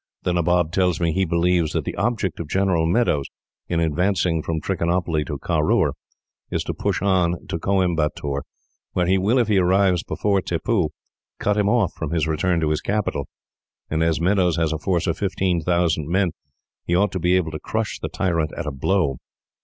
The Nabob tells me he believes that the object of General Meadows, in advancing from Trichinopoly to Caroor, is to push on to Coimbatoor, where he will, if he arrives before Tippoo, cut him off from his return to his capital; and as Meadows has a force of fifteen thousand men, he ought to be able to crush the tyrant at a blow.